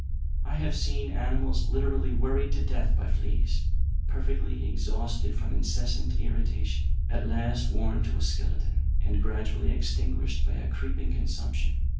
I have seen animals literally worried to death by fleas, perfectly exhausted from incessant irritation, at last worn to a skeleton, and gradually extinguished by a creeping consumption.